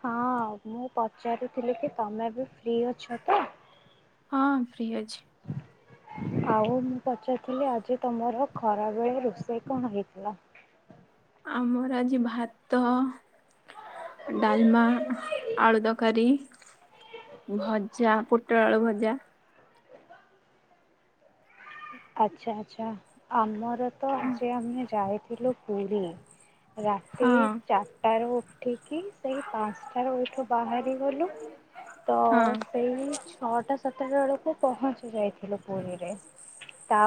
ହଁ ମୁଁ ପଚାରୁଥିଲି କି ତମେ ଏବେ ଫ୍ରି ଅଛ ତ? ହଁ ଫ୍ରି ଅଛି। ଆଉ ମୁଁ ପଚାରଥିଲି ଆଜି ତମର ଖରାବେେଳେ ରୋଷେଇ କଣ ହେଇଥିଲା? ଆମର ଆଜି ଭାତ ଡାଲମା ଆଳୁ ତକାରୀ ଭଜା ପୋଟଳ ଆଳୁ ଭଜା। ଆଚ୍ଛା ଆଚ୍ଛା ଆମର ତ ହଁ ଯେ ଆମେ ଯାଇଥିଲୁ ପୁରୀ। ରାତି ହଁ ଚାରିଟାରୁ ଉଠିକି ସେଇ ପାଞ୍ଚଟାରୁ ଏଠୁ ବାହାରି ଗଲୁ। ତ ସେଇ ଛଅଟା ସାତଟା ବେଳକୁ ପହଞ୍ଚି ଯାଇଥିଲୁ ପୁରୀରେ।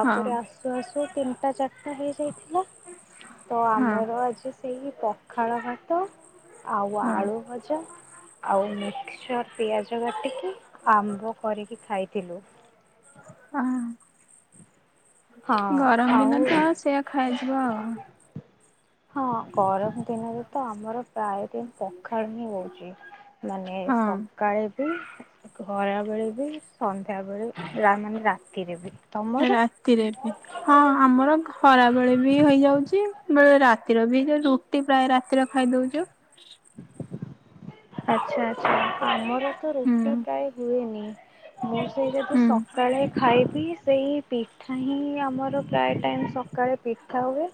ହଁ ଆସୁ ଆସୁ ତିନିଟା ଚାରିଟା ହେଇଯାଇଥିଲା। ତ ହଁ ଆମର ଆଜି ସେଇ ପଖାଳ ଭାତ ଆଉ ହଁ ଆଳୁ ଭଜା। ଆଉ ମିକ୍ସଚର୍, ପିଆଜ କାଟିକି, ଆମ୍ବ କରିକି ଖାଇଥିଲୁ। ହ ହଁ ଗରମ ଆଉ ଦିନ ତ ସେଆ ଖାଇଥିବ ଆଉ। ହଁ ଗରମ ଦିନରେ ତ ଆମର ପ୍ରାୟ ଦିନ ପଖାଳ ହିଁ ହଉଛି। ମାନେ ସ ହଁ ସକାଳେ ବି ଘରାବେଳେ ବି ସନ୍ଧ୍ୟାବେେଳେ ମାନେ ରା ରାତିରେ ରେ ବି ତମର? ରାତିରେ ବି ହଁ ଆମର ଖରାବେଳେ ବି ହେଇଯାଉଛି ବଳେ ରାତିର ବି ରୁ ରୁଟି ପ୍ରାୟ ରାତିରେ ଖାଇଦଉଛୁ। ଆଚ୍ଛା ଆଚ୍ଛା ଆମର ତ ହୁଁ ରୁଟି ପ୍ରାୟ ହୁଏନି ମୁଁ ସେଇ ଯଦି ହୁଁ ସ ସକାଳେ ଖାଇବି ସେଇ ପିଠା ହିଁ ଆମର ପ୍ରାୟ ଟାଇମ୍ ସକାଳେ ପିଠା ହୁଏ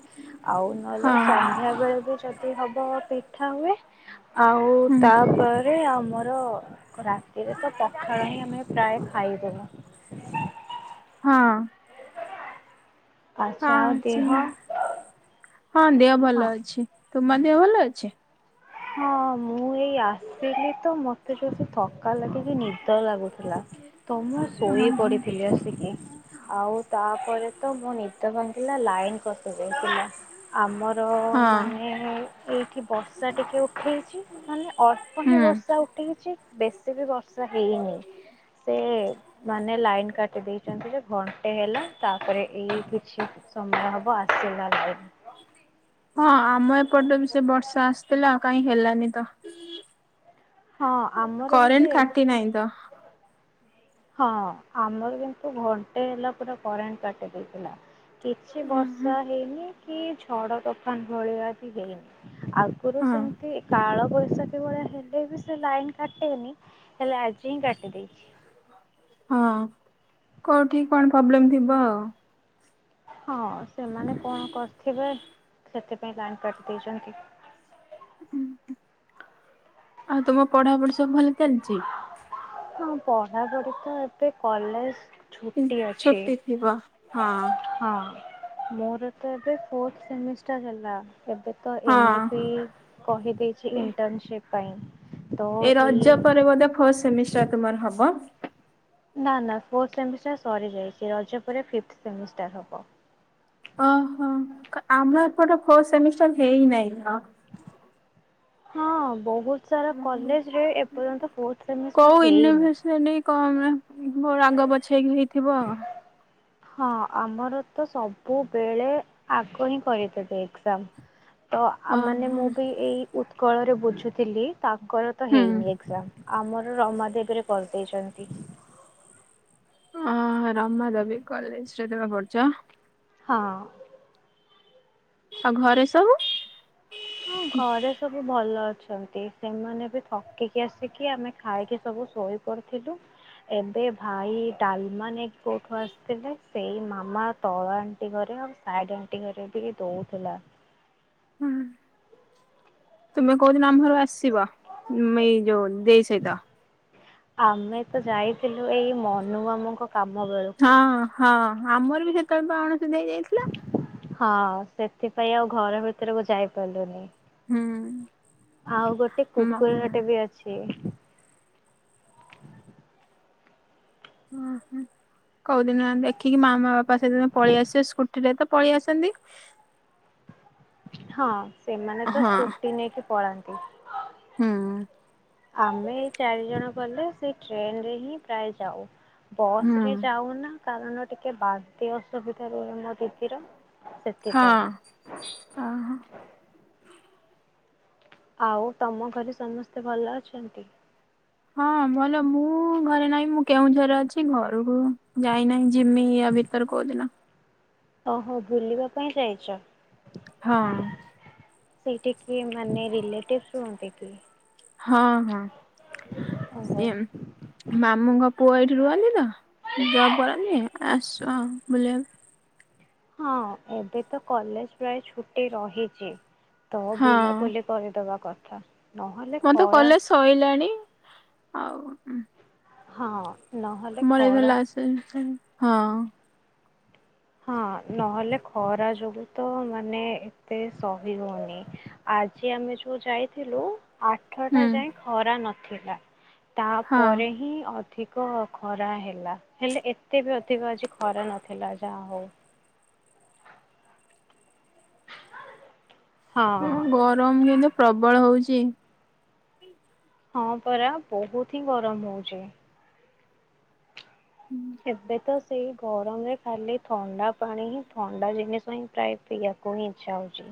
ଆଉ ନହେଲେ ହଁ ସନ୍ଧ୍ୟା ବେଳେ ବି ଯଦି ହବ ପିଠା ହୁଏ ଆଉ ହୁଁ ତାପରେ ଆମର ରାତିରେ ତ ପଖାଳ ହିଁ ଆମେ ପ୍ରାୟ ଖାଇଦବୁ। ହଁ ଆଚ୍ଛା ହଁ ଆଉ ଦେହ ସେଇ ହଁ ଦେହ ହଁ ଭଲ ଅଛି। ତୁମ ଦେହ ଭଲ ଅଛି? ହଁ ମୁଁ ଏଇ ଆସିଲି ତ ମୋତେ ଜୋରସେ ଥକା ଲାଗିକି ନିଦ ଲାଗୁଥିଲା। [inaudible] ଓହୋ ଆଉ ତା'ପରେ ତ ନିଦ ଭାଙ୍ଗିଲା ଲାଇନ୍‌ କଟି ଯାଇଥିଲା। ଆମର ହଁ ମାନେ ଏଇଠି ବ ଟିକେ ଉଠେଇଚି ମାନେ ଅଳ୍ପ ହୁଁ ହିଁ ବର୍ଷା ଉଠେଇଚି, ବେଶୀ ବି ବର୍ଷା ହେଇନି। ସେ ମାନେ ଲାଇନ୍ କାଟି ଦେଇେଚନ୍ତି ଯେ। ହେଲା, ତା'ପରେ ଏଇ କିଛି ସମୟ ହବ ଆସିଲା ଲାଇନ୍। ହଁ ଆମ ଏପଟ ବି ସେ ବର୍ଷା ଆସ୍‌ ଥିଲା, କାଇଁ ହେଲାନି ତ। ହଁ, ଆମର କରେଣ୍ଟ ବି [inaudible] ହଁ ଆମର୍ କିନ୍ତୁ ଘଣ୍ଟେ ହେଲା, ପୁରା କରେଣ୍ଟ୍ କାଟି ଦେଇଥିଲା। କିଛି ହଁ ବର୍ଷା ହେଇନି, କି ଝଡ଼ ତୋଫାନ୍‌ ଭଳିଆ ବି ହେଇନି। ଆଗରୁ ସେମ୍ତି କାଳ ବୈଶାଖୀ ଭଳିଆ ହେ ବି ସେ ଲାଇନ୍ କାଟେନି, ହେଲେ ଆଜି କାଟି ଦେଇଚି। ହଁ, କଉଠି କ'ଣ୍ ପବ୍ଲେମ୍ ଥିବ ଆଉ। ହଁ ସେମାନେ କଣ କର୍ ଥିବେ, ସେଥି ପାଇଁ ଲାଇନ୍ କାଟି ଦେଇଚନ୍ତି। ଆଉ ତମ ପଢ଼ା ପଢ଼ି ସବୁ ଭଲ ଚାଲ୍ଚି। ହଁ, ପଢ଼ାପଢ଼ି ତ ଏବେ କଲେଜ୍‌ [inaudible] ମୋର ତ ଏବେ ଫୋର୍ଥ ସେମିଷ୍ଟାର୍ ହେଲା ଏବେ। ତ ଏନିପି ହଁ। କହି ଦେଇଚି, ଇଣ୍ଟର୍ନସିପ୍ ପାଇଁ। ତ ଏ ଏଇ ରଜ ପରେ ବଦେ ଫୋର୍ ସେମିଷ୍ଟାର୍ ତୁମର୍ ହବ। ନା ନା ଫୋର୍ ସେମିଷ୍ଟାର୍ ସରି ଯାଇଚି, ରଜ ପରେ ଫିପ୍---ସେମିଷ୍ଟାର୍ ହବ। ଆମ ଏପଟେ ଫୋର୍ ସେମିଷ୍ଟାର୍ ହେଇ ନାଇଁ। ହଁ! ବହୁ ସାରା କଲେଜ୍‌ ରେ ଏପଯନ୍ତ ଫୋର୍ଥ କୋଉ ସେମିଷ୍ଟାର୍ ହେଇନି। [inaudible] ହଁ, ଆମର ତ ସବୁବେଳେ ଆଗ ହିଁ କ ଦେବେ ଏକ୍ସାମ୍। ତ ମାନେ, ଓହୋ ମୁଁ ବି ଏଇ ଉତ୍କଳରେ ବୁଝୁଥିଲି ତାଙ୍କର ତ ହୁଁ। ହେଇନି ଏକ୍ଜାମ୍। ଆମର ରମାଦେବୀରେ କର୍ ଦେଇଚନ୍ତି। [inaudible] [inaudible] ଆଉ ଘରେ ସବୁ। ହଁ, ଘରେ ସବୁ ଭଲ ଅଛନ୍ତି। ସେମାନେ ଏବେ ଥକିକି ଆସିକି, ଆମେ ଖାଇକି ସବୁ ଶୋଇ [inaudible] ଏବେ ଭାଇ ଡ଼ାଲ୍‌ମା ନେଇକି କଉଠୁ ଆସ୍‌ ଥିଲେ। ସେଇ ମାମା ତଳ ଆଣ୍ଟି ଘରେ ସାଇଡ୍‌ ଆଣ୍ଟି ଘରେ ଟିକେ ଦଉଥିଲା। ହୁଁ [inaudible] ଆମେ ତ ଯାଇଥିଲୁ, ଏଇ ମନୁ ମାମୁଁଙ୍କ କାମ ବେଳୁ ହଁ ହଁ, ଆମର୍ ବି ସେତେବେଳେ ପା ଅଣସୁଦିଆ ହେଇ ହଁ, ସେଥିପାଇଁ ଆଉ ଘର ଭିତରୁକୁ ଯାଇ ପାର୍ଲୁନି। [inaudible] ଆଉ ଗୋଟେ ମା କୁକୁର ବି ଅଛି। କଉ ଦିନ ଦେଖିକି ମାମା-ବାପା ସେଦିନ ପଳେଇ ଆସିବେ, ସ୍କୁଟିରେ ତ ପଳେଇ ଆସନ୍ତି। ହଁ, ସେମାନେ ତ ହଁ ସ୍କୁଟି ନେଇକି ପଳା [inaudible] ଆମେ ଏଇ ଚାରି ଜଣ ଗଲେ, ସେଇ ଟ୍ରେନ୍‌ ରେ ହିଁ ପ୍ରାୟେ ଯାଉ। ବସ୍ ହୁଁ ରେ ଯାଉନା, କାରଣ ଟିକେ ବାନ୍ତି ଅସୁବିଧା ରୁହେ ମୋ ଦିଦିର। ହଁ, ସେଥିପାଇଁ ତ ହଁ। ଆଉ ତୋମ ଘରେ ସମସ୍ତେ ଭଲ ଅଛନ୍ତି? ହଁ ଭଲ, ମୁଁ ଘରେ ନାହିଁ ମୁଁ କେଉଁଝରରେ ଅଛି। ଛି ଘରକୁ ଯାଇ ନାହିଁ ଯିମି ୟା ଭିତରେ କୋଉଦିନ। ଓହୋ, ବୁଲିବା ପାଇଁ ଯାଇଚ? ହଁ। ସେଇଟି କିଏ ମାନେ ରିଲେଟିଭ ରୁହନ୍ତି କି? ହଁ, ହଁ ଓହୋ ସିଏ ମାମୁଁଙ୍କ ପୁଅ ଏଇଠି ରୁହନ୍ତି ତ। ଜବ୍ କରନ୍ତି ଆସିଚୁ ଆଉ ବୁଲିଆକୁ। ହଁ ଏବେ ତ କଲେଜ୍ ପ୍ରାୟ ଛୁଟି ରହିଛି। ତ ହଁ ବୁଲାବୁଲି କରିଦବା କଥା। ନହେଲେ ମୋର ତ ଖରା କଲେଜ୍ ସଇଲାଣି। ଆଉ ହଁ। ନହେଲେ ମୋର ଏଇଟା ଖରା ଲାଷ୍ଟ ସେମିଷ୍ଟାର। ହଁ ନହେଲେ ଖରା ଯୋଗୁ ତ ମାନେ ଏତେ ସହି ହୋଉନି। ଆଜି ଆମେ ଯୋଉ ଯାଇଥିଲୁ। ଆଠଟା ହୁଁ ଯାଏ ଖରା ନଥିଲା। ତାପରେ ହଁ ହିଁ ଅ ଧିକ ଖରା ହେଲା। ହେଲେ ଏତେ ବି ଅଧିକ ଆଜି ଖରା ନଥିଲା ଯାହା ହୋଉ। ହଁ ଗରମ କିନ୍ତୁ ପ୍ରବଳ ହଉଚି। ହଁ ପରା ବହୁତ ହିଁ ଗରମ ହଉଛି। ହୁଁ। ଏବେ ତ ସେଇ ଗରମରେ ଖାଲି ଥଣ୍ଡା ପାଣି ହିଁ, ଥଣ୍ଡା ଜିନିଷ ହିଁ ପ୍ରାୟ ପିଇବାକୁ ହିଁ ଇଚ୍ଛା ହଉଛି।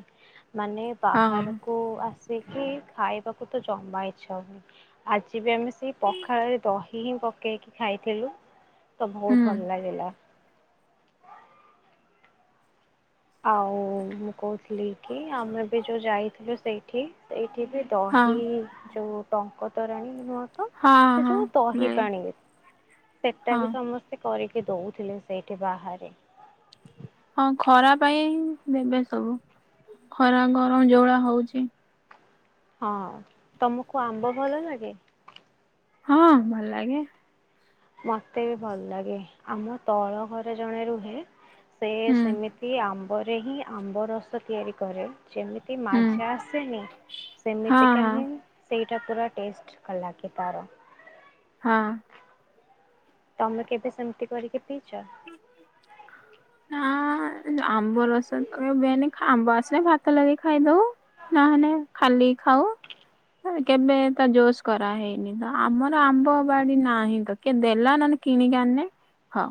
ମାନେ ହଁ ବାହାରୁକୁ ଆସିକି ଖାଇବାକୁ ତ ଜମା ଇଚ୍ଛା ହୋଉନି। ଆଜି ବି ଆମେ ସେଇ ପଖାଳରେ ଦହି ହିଁ ପକେଇକି ଖାଇଥିଲୁ। ତ ହୁଁ ବହୁତ ଭଲ ଲାଗିଲା। ଆଉ ମୁଁ କହୁଥିଲି କି ଆମେ ବି ଯୋଉ ଯାଇଥିଲୁ ସେଇଠି, ଏଇଠି ବି ହଁ ଦହି ଯୋଉ ଟଙ୍କ ତୋରାଣି ନୁହଁ ତ ହଁ ସେ ହଁ ଯୋଉ ଦହି ମିଳେ ପାଣି ରେ ସେଟ ହଁ ବି ସମସ୍ ସେ କରିକି ଦଉଥିଲେ ସେଇଠି ବାହାରେ। ହଁ ଖରା ପାଇଁ ଦେବେ ସବୁ। ଖରା ଗରମ ଯୋଉ ଭଳିଆ ହଉଛି। ହଁ, ତୋମୁକୁ ଆମ୍ବ ଭଲ ଲାଗେ? ହଁ ଭଲ ଲାଗେ। ମୋତେ ବି ଭଲ ଲାଗେ। ଆମ ତଳ ଘରେ ଜଣେ ରୁହେ। ସେ ହୁଁ ସେମିତି ଆମ୍ବରେ ହିଁ ଆମ୍ବ ରସ ତିଆରି କରେ। ଯେମିତି ହୁଁ ମାଜା ଆସେନି ହଁ ସେମିତିକା ହଁ ହିଁ ସେଇଟା ପୁରା ଟେଷ୍ଟ କ-ଲାଗ ତାର। ହଁ। ତୋମେ କେବେ ସେମିତି କରିକି ପିଇଚ? ଏମତି ଆମ୍ବ ରସ କେବେ ନି ଆମ୍ବ ଆସିଲେ ଆମେ ଭାତ ଲାଗେଇ ଖାଇଦଉ। ନହନେ ଖାଲି ଖାାଉ। ହେ କେବେ ତ ଜୋସ୍ କରା ହେଇନି ତ। ଆମର ଆମ୍ବ ବାଡି ନାହିଁ ତ। କିଏ ଦେଲା ନନେ କିଣିକି ଆଣନେ ହଁ।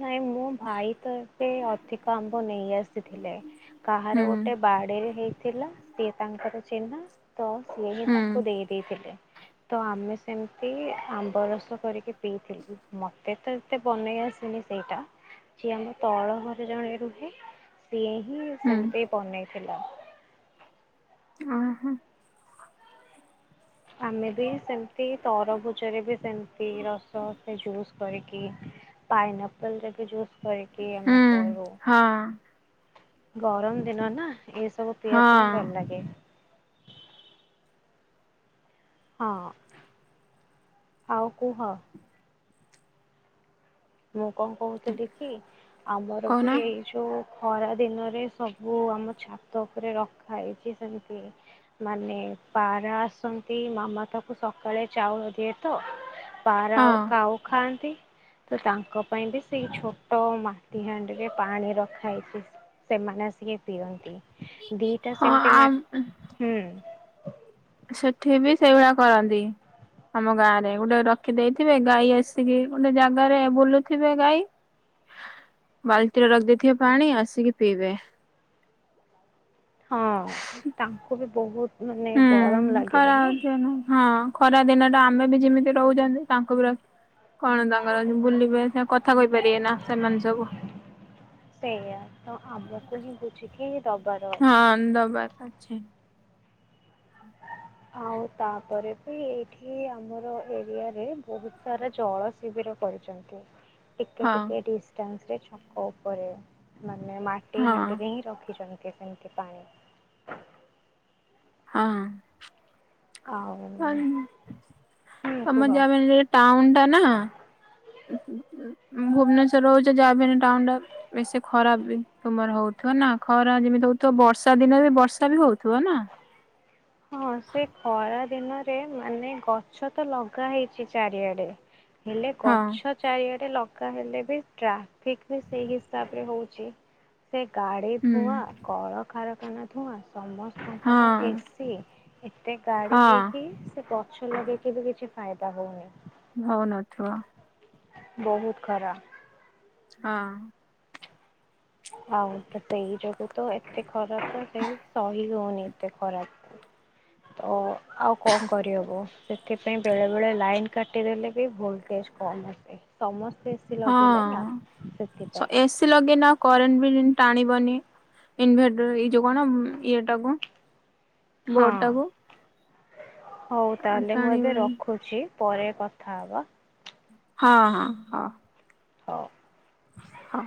ନାଇଁ ମୋ ଭାଇ ତ ଏବେ ଅଧିକ ଆମ୍ବ ନେଇ ଆସିଥିଲେ। କାହାର ହୁଁ ଗୋଟେ ବାଡିରେ ହେଇଥିଲା ସିଏ ତାଙ୍କର ଚିହ୍ନା। ତ ସିଏ ହିଁ ହୁଁ ତାକୁ ଦେଇ ଦେଇଥିଲେ। ତ ଆମେ ସେମିତି ଆମ୍ବ ରସ କରିକି ପିଇଥିଲି। ମୋତେ ତ ଏତେ ବନେଇ ଆସ ସେନି ସେଇଟା। ସିଏ ଆମ ତଳ ଘରେ ଜଣେ ରୁହେ ସିଏ ହିଁ ହୁଁ ସେମତି ବନେଇଥିଲା। ଓହୋ। ଆମେ ବି ସେମତି ତରଭୁଜରେ ବି ସେମିତି ରସ ସେ ଜୁସ୍ କରିକି ପାଇନା ଆପଲ୍ରେ ବି ଜୁସ୍ କରିକି ହୁଁ ଆମେ କରୁ। ହଁ। ଗରମ ଦିନ ନା ଏ ସବୁ ହଁ ପିଇବାକୁ ହିଁ ଭଲ ଲାଗେ। ହଁ ଆଉ କୁହ? ମୁଁ କଣ କହୁଥିଲି କି ଆମର ବି କହୁନ ଏଇ ଯଉ ଖରା ଦିନରେ ସବୁ ଆମ ଛାତ ଉପରେ ରଖାହଇଛି ସେମିତି ମାନେ ପାରା ଆସନ୍ତି ମାମା ତାକୁ ସକାଳେ ଚାଉଳ ଦିଏ ତ ପାରା ହଁ ଆଉ କାଉ ଖାଆନ୍ତି। ତ ତାଙ୍କ ପାଇଁ ବି ସେଇ ଛୋଟ ମାଟି ହାଣ୍ଡିରେ ପାଣି ରଖା ହେଇଛି। ସେମାନେ ଆସିକି ପିଅନ୍ତି ଦିଟା ହଁ ସେମତି ମା ଆମ ହୁଁ। ସେଠି ବି ସେଇଭଳିଆ କରନ୍ତି। ଆମ ଗାଁରେ ଗୋଟେ ରଖି ଦେଇେଇଥିବେ ଗାଈ ଆସିକି ଗୋଟେ ଜାଗାରେ ବୁଲୁଥିବେ ଗାଈ ହ ବାଲ୍ଟିରେ ରଖିଦେଇଥିବେ ପାଣି ଆସିକି ପିଇବେ। ହଁ ତାଙ୍କୁ ବି ବହୁତ ମାନେ ଗରମ ହୁଁ ଖରା ଲାଗିବ ନା। ହଉଥିବ ହଁ ଖରା ଦିନଟା ଆମେ ବି ଯେମିତି ରହୁଛନ୍ତି ତାଙ୍କୁ ବି ରଖ କଣ ତାଙ୍କର ଅଛି ବୁଲିବେ ସେ କଥା କହିପାରିବେ ନା ସେମାନେ ସବୁ। ସେଇଆ ତ ଆମକୁ ହିଁ ବୁଝିକି ଦବାର ଅଛି। ଆମେ ଦବାର ଅଛି। ଆଉ ତାପରେ ବି ଏଇଠି ଆମର ଏରିଆରେ ବହୁତ ସାରା ଜଳ ଶିବିର କରିଛନ୍ତି। ଟିକେ ହଁ ଟିକେ ଡିଷ୍ଟାନ୍ସରେ ଛକ ଉପରେ ମାନେ ମା ମାଟି ହଁ ହାଣ୍ଡିରେ ହିଁ ରଖିଛନ୍ତି ସେମିତି ପାଣି। ହଁ ଆଉ ହଁ ହୁଁ ଆମ ତମ କୁହ। ଯମିନିରେ ଟାଉଟା ନା। ଭୁବନେଶ୍ୱର ରହୁଚ ଜାବିହେଲେ ଟାଉନଟା। ବେଶି ଖରା ବି ତୁମର ହଉଥିବ ନା ଖରା ଯେମିତି ହଉଥିବ ବର୍ଷା ଦିନରେ ବି ବର୍ଷା ବି ହଉଥିବ ନା? ହଁ ସେ ଖରା ଦିନରେ ମାନେ ଗଛ ତ ଲଗା ହେଇଛି ଚାରିଆଡେ ହେଲେ ହଁ ଗଛ ଚାରିଆଡ଼େ ଲଗା ହେଲେ ବି ଟ୍ରାଫିକ ବି ସେଇ ହିସାବରେ ହଉଛି! ସେ ଗାଡ଼ି ହୁଁ ଧୂଆଁ କଳକାରାରଖାନା ଧୂଆଁ ହଁ ସମସ୍ତଙ୍କର ଏସି ଏସି ଏତେ ହଁ ଗାଡି ହେଇକି ସେ ଗଛ ଲଗେଇକି ବି କିଛି ଫାଇଦା ହଉନି! ହଉନଥିବ। ବହୁତ ଖରା! ହଁ! ଆଉ ତ ସେଇ ଯୋଗୁ ତ ଏତେ ଖରା ସେଇ ସହି ହଉନି ଏତେ ଖରା! ହଁ! ତ ଆଉ କଣ କରିହବ ସେଥିପାଇଁ ବେଳେ ବେଳେ ଲାଇନ୍ କାଟିଦେଲେ ବି ଭୋଲଟେଜ କମ ଆସେ ସମସ୍ତେ ଏସିି ଲଗେଇଲେ ନା ସେଥିପାଇଁ! ଏସି ଲଗେଇନେ ଆଉ କରେଣ୍ଟ ବି ଟାଣିବନି ଇନଭେଟରରେ ଇ ଯଉ କଣ ଇଏ ଟାକୁ ବୋଡ ହଁ ଟାକୁ? ହଉ ତାହଲେ ମୁଁ ଏବେ ଟାଣିବନି ରଖୁଛି ପରେ କଥା ହବା! ହଁ ହଁ ହଁ! ହଉ! ହଉ!